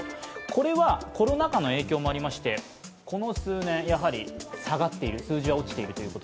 これはコロナ禍の影響もありまして、この数年、やはり下がっている、数字は落ちています。